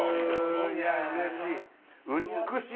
いやうれしい。